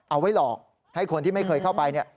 เอาไว้หลอกให้คนที่ไม่เคยเข้าไปเนี่ย